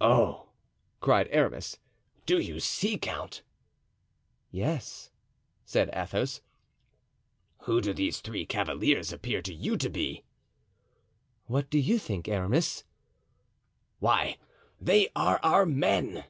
"Oh!" cried Aramis, "do you see, count?" "Yes," said Athos. "Who do these three cavaliers appear to you to be?" "What do you think, Aramis?" "Why, they are our men."